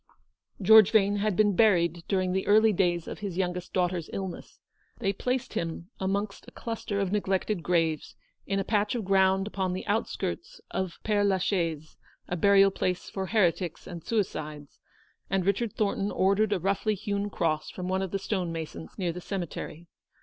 George Yane had been buried during the early days of his youngest daughter's illness. They placed him amongst a cluster of neglected graves, in a patch of ground upon the outskirts of Pere la Chaise, a burial place for heretics and suicides, and Richard Thornton ordered a roughly hewn cross from one of the stonemasons near ( the cemetery.